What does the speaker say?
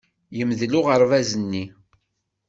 Yemdel uɣerbaz-nni.